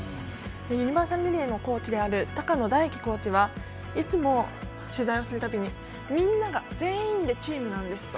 ユニバーサルリレーのコーチでもある高野大樹コーチはいつも取材するたびにみんな全員でチームなんですと。